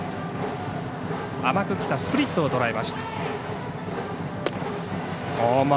甘くきたスプリットをとらえました。